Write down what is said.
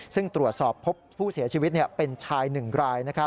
ซึ่งตรวจสอบพบผู้เสียชีวิตเป็นชาย๑ราย